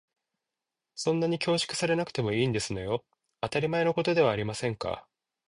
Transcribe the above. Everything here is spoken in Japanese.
そんなに恐縮されなくてもいいんですのよ。当たり前のことではありませんか。